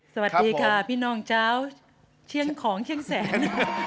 สวัสดีค่ะพี่น้องเจ้าเชียงของเชียงแสน